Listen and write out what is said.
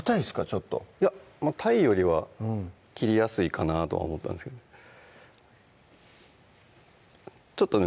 ちょっといやたいよりは切りやすいかなと思ったんですけどちょっとね